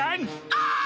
ああ！